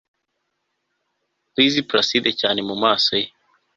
Lizzie placid cyane mumaso ye